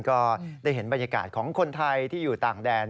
ก็ได้เห็นบรรยากาศของคนไทยที่อยู่ต่างแดน